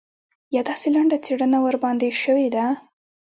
یا داسې لنډه څېړنه ورباندې شوې ده.